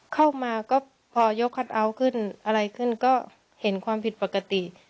เข้ามาก็พอยกคัทเอาท์ขึ้นอะไรขึ้นก็เห็นความผิดปกติ